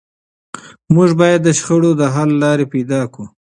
موږ باید د شخړو د حل لارې پیدا کړو.